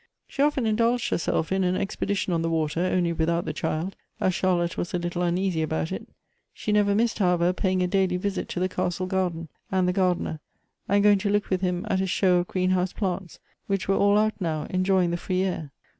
She often indulged her self in an expedition on the water, only without the child, as Charlotte was a little uneasy about it. She never missed, however, paying a daily visit to the castle garden and the gardener, and going to look with him at his show of greenhouse plants, which were all out now, enjoying the free air.